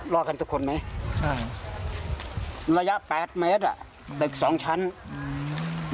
รอดกันทุกคนไหมอ่าระยะแปดเมตรอ่ะตึกสองชั้นอืม